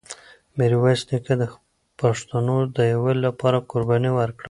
میرویس نیکه د پښتنو د یووالي لپاره قرباني ورکړه.